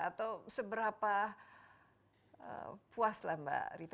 atau seberapa puas lah mbak rita